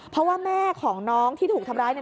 เพราะว่าแม่ของน้องที่ถูกทำร้ายเนี่ย